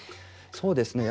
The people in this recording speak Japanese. そうですね。